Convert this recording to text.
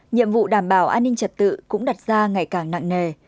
nhiệm vụ đảm bảo an ninh trật tự cũng đặt ra ngày càng nặng nề